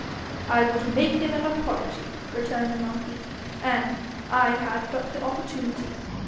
"' 'I would make him an apology,' returned the marquis, 'an' I had but the opportunity.